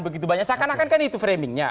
begitu banyak seakan akan kan itu framingnya